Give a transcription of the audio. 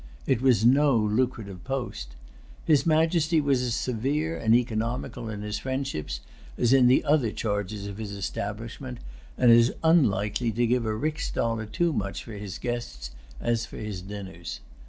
It was no lucrative post. His Majesty was as severe and economical in his friendships as in the other charges of his establishment, and as unlikely to give a rix dollar too much for his guests as for his dinners.